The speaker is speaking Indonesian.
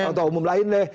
ketua umum lain deh